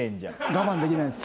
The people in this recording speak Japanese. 我慢できないんです。